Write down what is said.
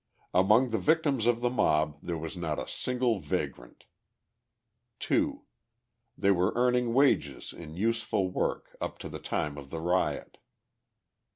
Among the victims of the mob there was not a single vagrant. 2. They were earning wages in useful work up to the time of the riot.